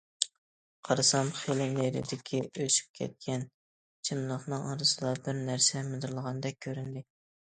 قارىسام خېلى نېرىدىكى ئۆسۈپ كەتكەن چىملىقنىڭ ئارىسىدا بىر نەرسە مىدىرلىغاندەك كۆرۈندى.